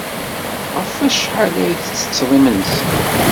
Ɣef wacḥal ay tettetteḍ imensi?